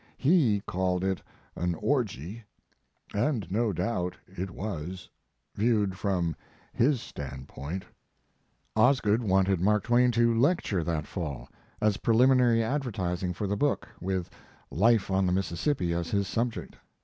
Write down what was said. He called it an orgy. And no doubt it was, viewed from his standpoint. Osgood wanted Mark Twain to lecture that fall, as preliminary advertising for the book, with "Life on the Mississippi" as his subject.